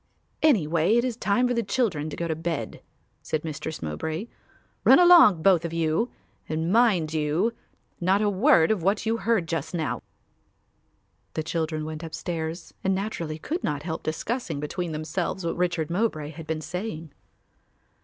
"Anyway it is time for the children to go to bed," said Mistress Mowbray. "Run along, both of you, and, mind you, not a word of what you heard just now." The children went upstairs and naturally could not help discussing between themselves what Richard Mowbray had been saying.